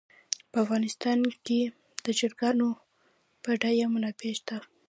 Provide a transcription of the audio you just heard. په افغانستان کې د چرګانو بډایه منابع شته.